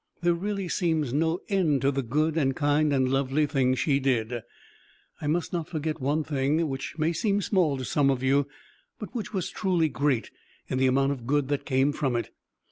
There really seems no end to the good and kind and lovely things she did. I must not forget one thing, which may seem small to some of you, but which was truly great in the amount of good that came from it.